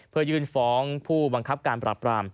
เพื่อยื่นฟ้องผู้บังคับการปราบราม